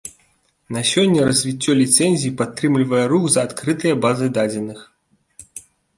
На сёння развіццё ліцэнзіі падтрымлівае рух за адкрытыя базы дадзеных.